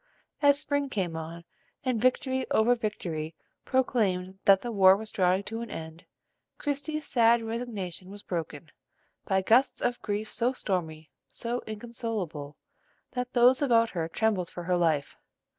As spring came on, and victory after victory proclaimed that the war was drawing to an end, Christie's sad resignation was broken, by gusts of grief so stormy, so inconsolable, that those about her trembled for her life.